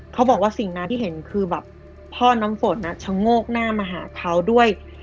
เขาบอกว่าสิ่งนั้นที่เห็นคือแบบพ่อน้ำฝนชะโงกหน้ามาหาเขาด้วย